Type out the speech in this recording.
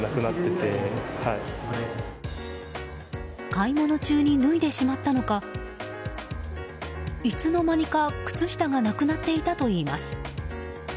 買い物中に脱いでしまったのかいつの間にか靴下がなくなっていたといいます。